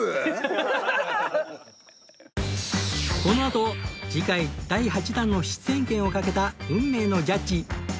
このあと次回第８弾の出演権をかけた運命のジャッジ